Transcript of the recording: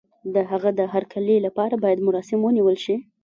د هغه د هرکلي لپاره بايد مراسم ونه نيول شي.